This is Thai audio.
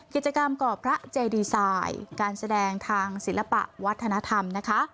กิจกรรมก่อพระเจดีไซน์การแสดงทางศิลปะวัฒนธรรมนะคะ